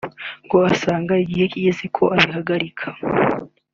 ngo asanga igihe kigeze ko abihagarika